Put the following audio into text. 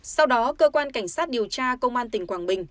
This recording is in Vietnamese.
sau đó cơ quan cảnh sát điều tra công an tỉnh quảng bình